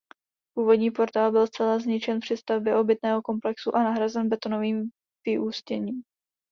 Původní portál byl zcela zničen při stavbě obytného komplexu a nahrazen betonovým vyústěním.